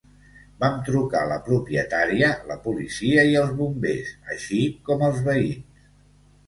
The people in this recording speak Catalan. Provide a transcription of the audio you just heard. Vam trucar la propietària, la policia i els bombers, així com els veïns.